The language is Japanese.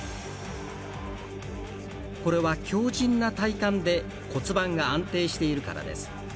これは、強じんな体幹で骨盤が安定しているからです。